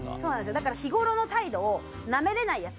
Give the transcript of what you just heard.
だから日頃の態度をナメれないヤツ。